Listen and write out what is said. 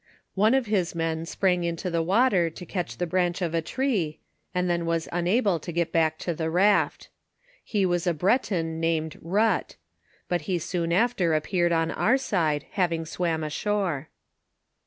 One of his men sprang into the water to catch the branch of a tree, and then was unable to get back to the raft. He wtis a Bre ton named But; but he soon after appeared on our side, having swam ashore.